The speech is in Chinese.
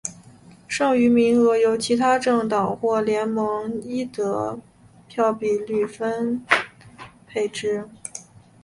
剩余名额由其他政党或联盟依得票比率分配之。